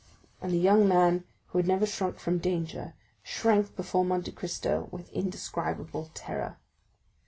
And the young man, who had never shrunk from danger, shrank before Monte Cristo with indescribable terror.